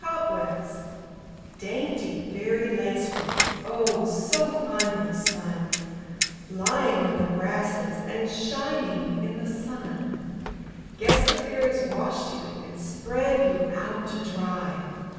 COBWEBS Dainty fairy lace work, so finely spun, Lying on the grasses and shining in the sun, Guess the fairies washed you and spread you out to dry.